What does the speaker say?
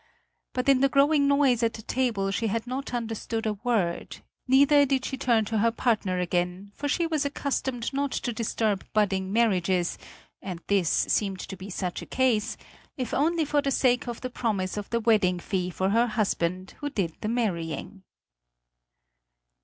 But in the growing noise at the table she had not understood a word; neither did she turn to her partner again, for she was accustomed not to disturb budding marriages and this seemed to be such a case if only for the sake of the promise of the wedding fee for her husband, who did the marrying.